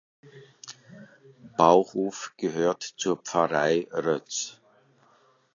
Bauhof gehört zur Pfarrei Rötz.